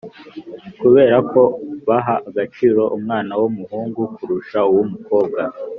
kubera ko baha agaciro umwana w‘umuhungu kurusha uw‘umukobwa.